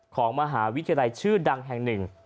ของมหาวิทยาลัยชื่อดังแห่งหนึ่ง